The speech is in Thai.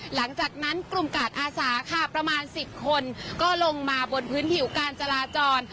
หลังจากนั้นกลุ่มกาดอาสาค่ะประมาณ๑๐คนก็ลงมาบนพื้นผิวการจราจร